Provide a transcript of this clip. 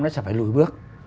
nó sẽ phải lùi bước